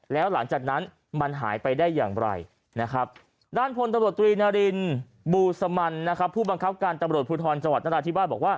แล้วหลังจากนั้นมันหายไปได้อย่างไร